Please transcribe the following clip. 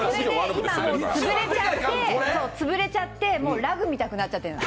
今はもう潰れちゃってもうラグみたくなっちゃってるの。